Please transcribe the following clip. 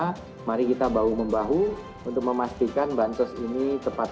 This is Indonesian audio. nah mari kita bahu membahu untuk memastikan bahan sosial ini tepat